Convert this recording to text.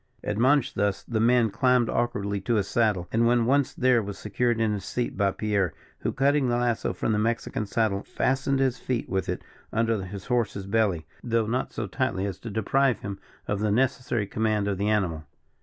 Admonished thus, the man climbed awkwardly to his saddle, and when once there was secured in his seat by Pierre, who, cutting the lasso from the Mexican saddle, fastened his feet with it under his horse's belly, though not so tightly as to deprive him of the necessary command of the animal.